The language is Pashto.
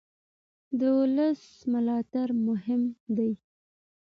د ولس ملاتړ مهم دی